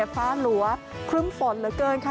ฟ้าหลัวครึ่มฝนเหลือเกินค่ะ